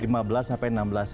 lima belas sampai enam belas